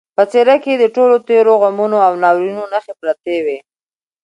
په څېره کې یې د ټولو تېرو غمونو او ناورینونو نښې پرتې وې